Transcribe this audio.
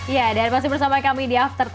ya dan masih bersama kami di after sepuluh